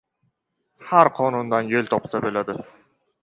• Har qonundan yo‘l topsa bo‘ladi.